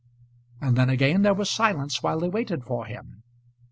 And then again there was silence while they waited for him.